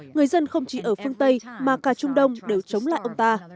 người dân không chỉ ở phương tây mà cả trung đông đều chống lại ông ta